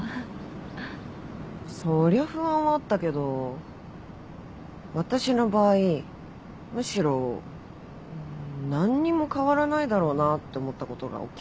そりゃ不安はあったけど私の場合むしろん何にも変わらないだろうなって思ったことがおっきかったかも。